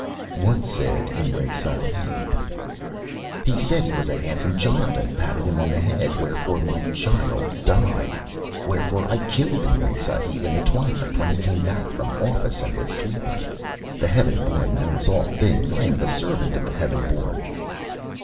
"What said Imray Sahib?" "He said he was a handsome child, and patted him on the head; wherefore my child died. Wherefore I killed Imray Sahib in the twilight, when he came back from office and was sleeping. The heaven born knows all things. I am the servant of the heaven born."